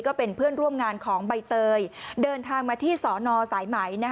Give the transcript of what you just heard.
ก็เป็นเพื่อนร่วมงานของใบเตยเดินทางมาที่สอนอสายไหม